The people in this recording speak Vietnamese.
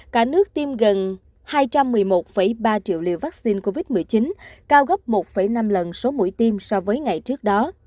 cả nước tiêm gần hai trăm một mươi một ba triệu liều vaccine covid một mươi chín cao gấp một năm lần số mũi tiêm so với ngày trước đó